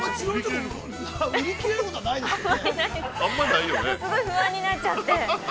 ◆売り切れることはないでしょう。